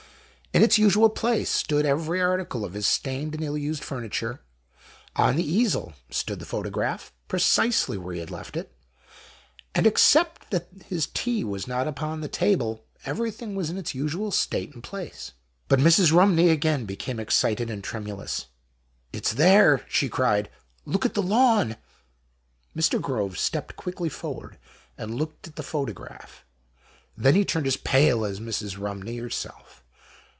In its usual place stood every article of his stained and ill used furni ture, on the easel stood the photograph, pre cisely where he had left it ; and except that his tea was not upon the table, everything was in its usual state and place. But Mrs. Rumney again became excited and tremulous, "It's there," she cried. "Look at the lawn." Mr. Groves stepped quickly forward and looked at the photograph. Then he turned as pale as Mrs. Eumney herself.